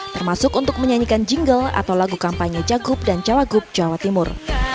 termasuk untuk menyanyikan jingle atau lagu kampanye jagup dan cawagup jawa timur